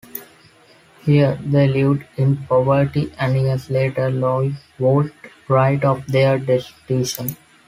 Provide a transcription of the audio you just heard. Here, they lived in poverty, and years later, Loy would write of their destitution.